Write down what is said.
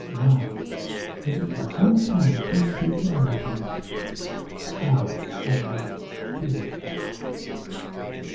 My, isn't the whole town too sweet for anything! How I'd like to live there!"